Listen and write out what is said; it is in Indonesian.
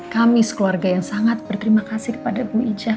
kami sekeluarga yang sangat berterima kasih kepada ibu ijah